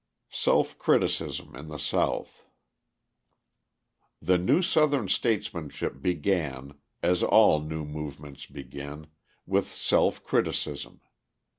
Self Criticism in the South The new Southern statesmanship began (as all new movements begin) with self criticism.